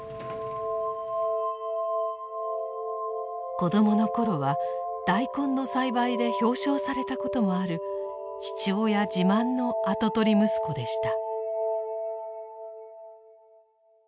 子供の頃は大根の栽培で表彰されたこともある父親自慢の跡取り息子でした。